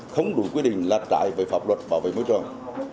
không đủ quy định là trải về pháp luật bảo vệ môi trường